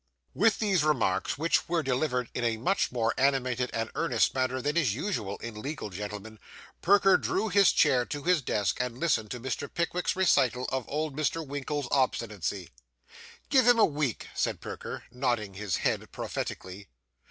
With these remarks, which were delivered in a much more animated and earnest manner than is usual in legal gentlemen, Perker drew his chair to his desk, and listened to Mr. Pickwick's recital of old Mr. Winkle's obstinacy. 'Give him a week,' said Perker, nodding his head prophetically.